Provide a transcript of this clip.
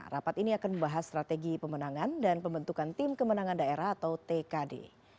rapat ini akan membahas strategi pemenangan dan pembentukan tim kemenangan daerah atau tkd